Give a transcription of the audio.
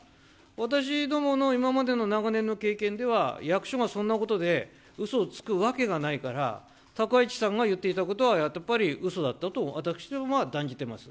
私どもの今までの長年の経験では、役所がそんなことでうそをつくわけがないから、高市さんが言っていたことは、やっぱりうそだったと、私どもは断じてます。